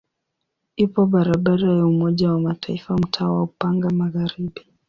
Ipo barabara ya Umoja wa Mataifa mtaa wa Upanga Magharibi.